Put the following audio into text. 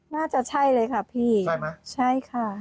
น่าจะใช่เลยค่ะพี่ใช่ไหมใช่ค่ะ